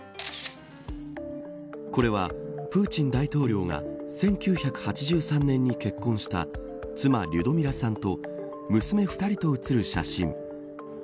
これはプーチン大統領が１９８３年に結婚した妻リュドミラさんと娘２人と写る写真。